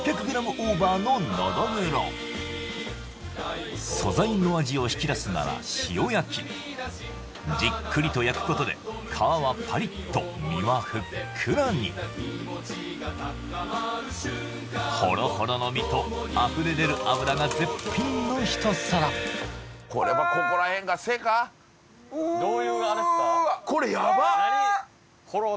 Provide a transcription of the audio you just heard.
オーバーののど黒素材の味を引き出すなら塩焼じっくりと焼くことで皮はパリッと身はふっくらにほろほろの身とあふれ出る脂が絶品のひと皿これはここらへんか背かうっわどういうあれっすか何？